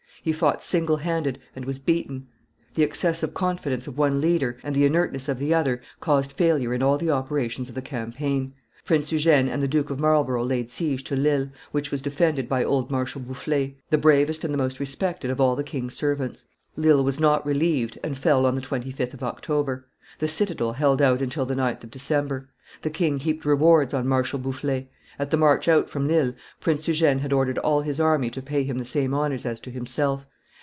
He fought single handed, and was beaten. The excess of confidence of one leader, and the inertness of the other, caused failure in all the operations of the campaign; Prince Eugene and the Duke of Marlborough laid siege to Lille, which was defended by old Marshal Boufflers, the bravest and the most respected of all the king's servants. Lille was not relieved, and fell on the 25th of October; the citadel held out until the 9th of December; the king heaped rewards on Marshal Bouffers: at the march out from Lille, Prince Eugene had ordered all his army to pay him the same honors as to himself.